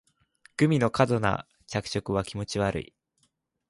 グミの過度な着色は気持ち悪い